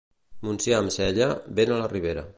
Montsià amb cella, vent a la Ribera.